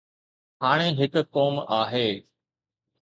هاڻي هڪ قوم آهي.